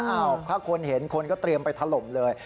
เอ้าถ้าคนเห็นคนก็เตรียมไปทะลมเลย